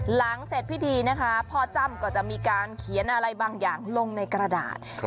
หลังเสร็จพิธีนะคะพ่อจ้ำก็จะมีการเขียนอะไรบางอย่างลงในกระดาษ